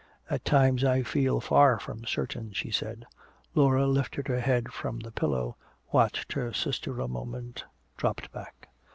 At times I feel far from certain," she said. Laura lifted her head from the pillow, watched her sister a moment, dropped back.